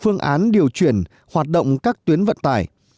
phương án điều chuyển hoạt động các tuyến vận tải